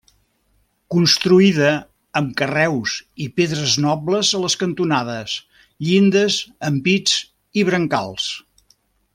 Construïda amb carreus i pedres nobles a les cantonades, llindes, ampits i brancals.